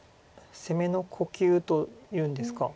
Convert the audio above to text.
攻めの呼吸というんですか。